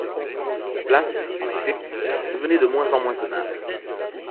La place, en effet, devenait de moins en moins tenable.